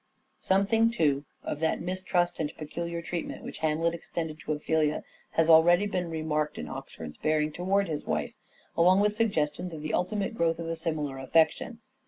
Something too, of that mistrust and peculiar treatment which Hamlet extended to Ophelia has already been remarked in Oxford's bearing towards his wife, along with suggestions of the ultimate growth of a similar affection.